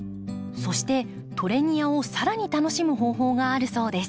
そしてトレニアを更に楽しむ方法があるそうです。